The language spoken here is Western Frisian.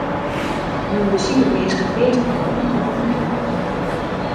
Men besiket minsken fêst te hâlden of oan te lûken.